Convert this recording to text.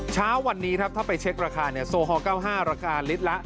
เช้าวันนี้ครับถ้าไปเช็คราคา